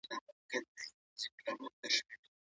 ولې د طلاق کچه لوړه شوې ده.